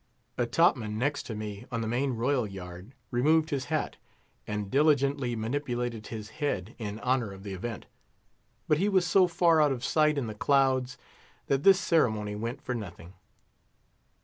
A top man next me on the main royal yard removed his hat, and diligently manipulated his head in honour of the event; but he was so far out of sight in the clouds, that this ceremony went for nothing.